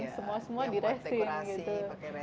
semua semua di resin gitu